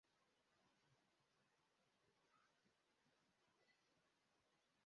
Ifoto yumusore imbere yinyubako zishimishije